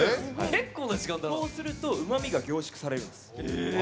そうするとうまみが凝縮される。